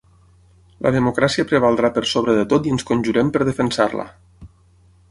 La democràcia prevaldrà per sobre de tot i ens conjurem per defensar-la!